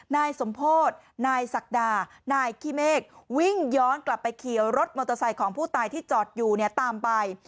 นายสมโพธินายศักดานายขี้เมฆวิ่งย้อนกลับไปขี่รถมอเตอร์ไซค์ของผู้ตายที่จอดอยู่เนี่ยตามไป